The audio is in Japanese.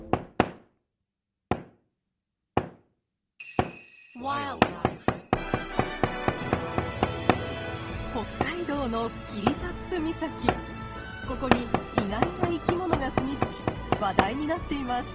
ここに意外な生きものがすみ着き話題になっています。